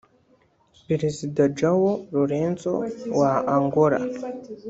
Perezida João Lourenço wa Angola